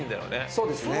そうですね。